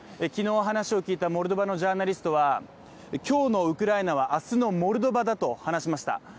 昨日話を聞いたモルドバのジャーナリストは今日のウクライナは明日のモルドバだと話しました。